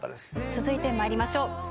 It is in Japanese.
続いてまいりましょう。